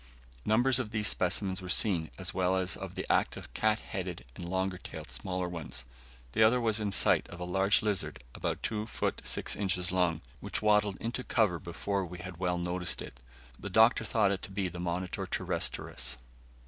Numbers of these specimens were seen, as well as of the active cat headed and long tailed smaller ones. The other was the sight of a large lizard, about 2 ft. 6 in. long, which waddled into cover before we had well noticed it. The Doctor thought it to be the Monitor terrestris.